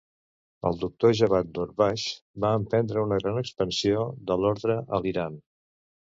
El doctor Javad Nurbakhsh va emprendre una gran expansió de l'ordre a l'Iran.